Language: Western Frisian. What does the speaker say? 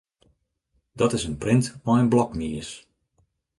Dat is in print mei in blokmies.